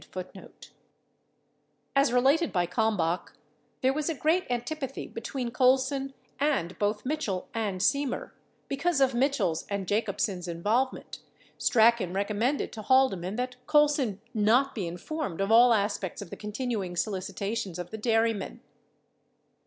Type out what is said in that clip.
42 As related by Kalmbach, there was a great antipathy between Col son and both Mitchell and Semer; 43 because of Mitchell's and Jacob sen's involvement, Strachan recommended to Haldeman that Colson not be informed of all aspects of the continuing solicitations of the dairymen.